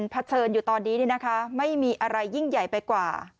เฉินอยู่ตอนนี้ไม่มีอะไรยิ่งใหญ่ไปกว่า